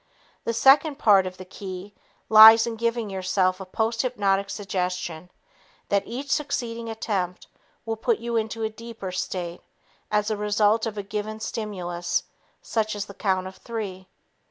The second part of the key lies in giving yourself a posthypnotic suggestion that each succeeding attempt will put you into a deeper state as a result of a given stimulus such as the count of three.